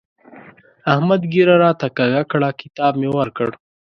احمد ږيره راته کږه کړه؛ کتاب مې ورکړ.